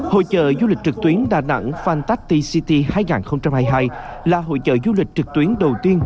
hội trợ du lịch trực tuyến đà nẵng phan tactic city hai nghìn hai mươi hai là hội trợ du lịch trực tuyến đầu tiên